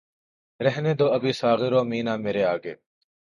رہنے دو ابھی ساغر و مینا مرے آگے